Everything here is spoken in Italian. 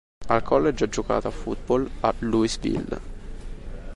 Al college ha giocato a football a Louisville.